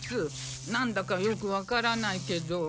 なんだかよくわからないけど。